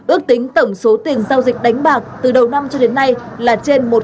ước tính tổng số tiền giao dịch đánh bạc từ đầu năm cho đến nay là trên một tỷ đồng